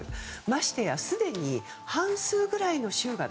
ましてやすでに半数ぐらいの州が